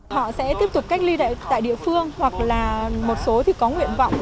họ sẽ tiếp tục cách ly tại địa phương hoặc là một số thì có nguyện vọng